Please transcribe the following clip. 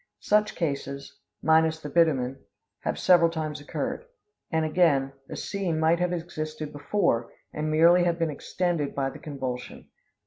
Such cases, minus the bitumen, have several times occurred. And, again, the sea might have existed before, and merely have been extended by the convulsion.